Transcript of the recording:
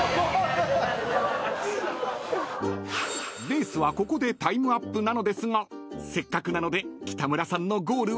［レースはここでタイムアップなのですがせっかくなので］